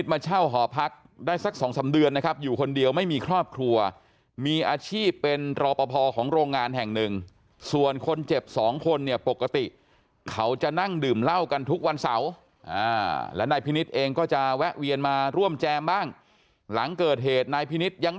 ถ้าเป็นไม่ได้ก็ให้แกมามอบละกัน